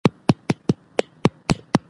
شنه بوټي د انسانانو د صحت لپاره ګټور دي.